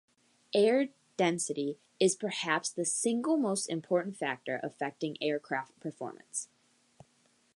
Air density is perhaps the single most important factor affecting aircraft performance.